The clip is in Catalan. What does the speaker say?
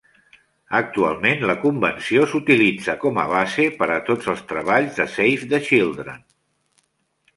Actualment la convenció s'utilitza com a base per a tots els treballs de Save the Children.